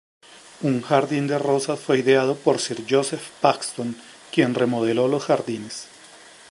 Un jardín de rosas fue ideado por Sir Joseph Paxton, quien remodeló los jardines.